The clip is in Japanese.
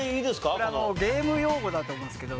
これゲーム用語だと思うんですけど。